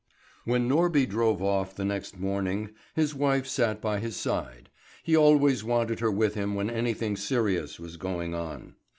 CHAPTER V WHEN Norby drove off the next morning, his wife sat by his side. He always wanted her with him when anything serious was going on.